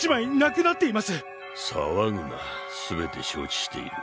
さわぐな全て承知している。